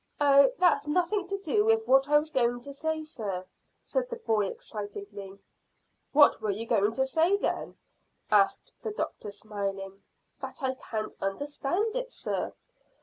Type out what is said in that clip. "Oh, that's nothing to do with what I was going to say, sir," said the boy excitedly. "What were you going to say, then?" asked the doctor, smiling. "That I can't understand it, sir."